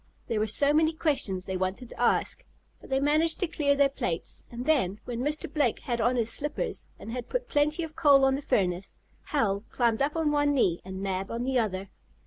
There were so many questions they wanted to ask. But they managed to clear their plates, and then, when Mr. Blake had on his slippers, and had put plenty of coal on the furnace, Hal climbed up on one knee, and Mab on the other.